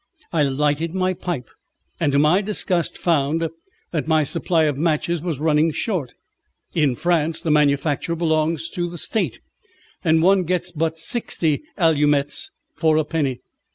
I lighted my pipe, and to my disgust found that my supply of matches was running short. In France the manufacture belongs to the state, and one gets but sixty allumettes for a penny.